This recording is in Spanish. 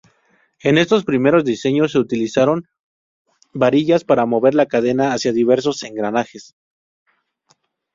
En estos primeros diseños, se utilizaron varillas para mover la cadena hacia diversos engranajes.